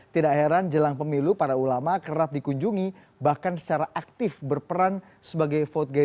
tidak heran jelang pemilu para ulama kerap dikunjungi bahkan secara aktif berperan sebagai vote game